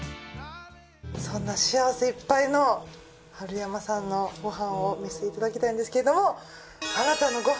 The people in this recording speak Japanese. そんな幸せいっぱいの春山さんのご飯を見せていただきたいんですけれども。